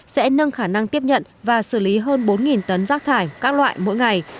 sẽ nâng khả năng tiếp nhận và xử lý hơn bốn tấn rác thải các loại mỗi ngày